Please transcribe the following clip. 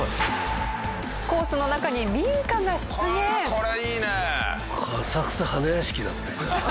これいいねえ！